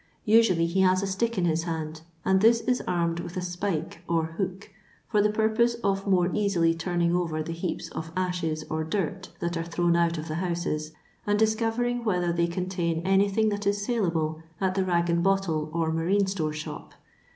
Usually he has a stick in his hand, and this is armed with a spike or hook, for the pur pose of more easily turning over the heaps of n«hes or dirt that are thrown out of the housesi, nnd discovering whether they contain anything that is saleable at the ragand bottle or marine store shop.